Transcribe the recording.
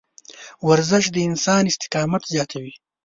ورزش د انسان استقامت زیاتوي.